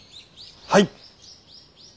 はい。